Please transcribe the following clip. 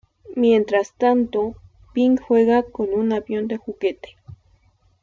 Mientras tanto, Pink juega con un avión de juguete.